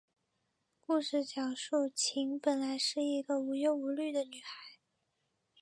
故事讲述琴本来是一个无忧无虑的女孩。